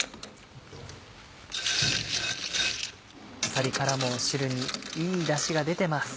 あさりからも汁にいいダシが出てます。